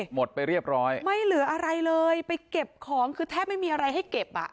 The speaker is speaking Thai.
หมดไปเรียบร้อยไม่เหลืออะไรเลยไปเก็บของคือแทบไม่มีอะไรให้เก็บอ่ะ